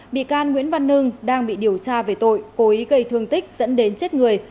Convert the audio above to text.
bị can nguyễn văn nưng đang bị điều tra về tội cố ý gây thương tích dẫn đến chết người